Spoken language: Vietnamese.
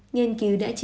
nghiên cứu đã chỉ